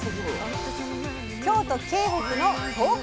京都京北の京こ